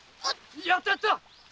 ・やったやった！